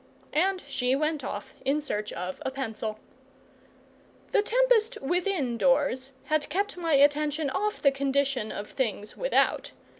And she went off in search of a pencil. The tempest within doors had kept my attention off the condition of things without.